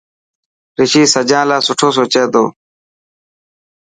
رشي سجان لاءِ سٺو سوچي ٿو.